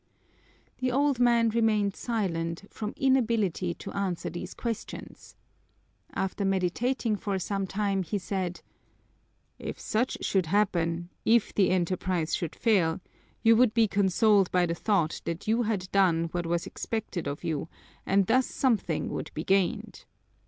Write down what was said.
The old man remained silent from inability to answer these questions. After meditating for some time, he said: "If such should happen, if the enterprise should fail, you would be consoled by the thought that you had done what was expected of you and thus something would be gained.